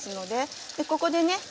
でここでね